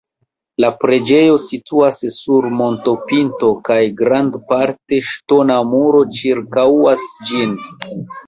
La preĝejo situas sur montopinto kaj grandparte ŝtona muro ĉirkaŭas ĝin.